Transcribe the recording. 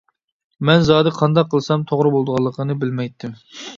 مەن زادى قانداق قىلسام توغرا بولىدىغانلىقىنى بىلمەيتتىم.